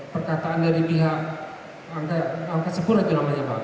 perkataan dari pihak angkasa pura itu namanya pak